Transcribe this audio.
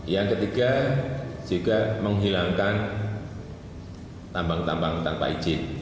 yang ketiga juga menghilangkan tambang tambang tanpa izin